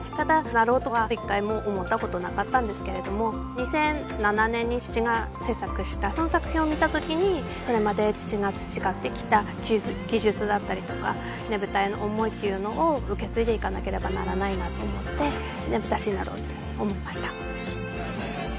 なろうとは一回も思ったことなかったんですけれど２００７年に父が制作したその作品を見たときにそれまで父が培ってきた技術だったりとかねぶたへの思いっていうのを受け継いでいかなければならないなと思ってねぶた師になろうというふうに思いました